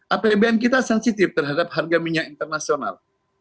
apbn kita sensitif terhadap harga minyak internasional